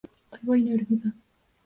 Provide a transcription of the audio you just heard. Su padre era comerciante del Líbano.